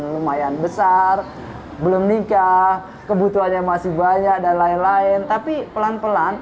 lumayan besar belum nikah kebutuhannya masih banyak dan lain lain tapi pelan pelan